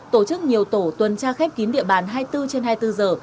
tổ chức nhiều tổ tuần tra khép kín địa bàn hai mươi bốn trên hai mươi bốn giờ